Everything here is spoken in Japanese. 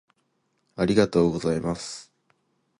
ありがとうございます。